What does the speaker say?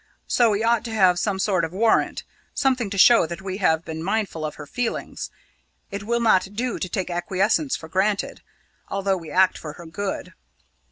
So we ought to have some sort of warrant, something to show that we have been mindful of her feelings. It will not do to take acquiescence for granted although we act for her good."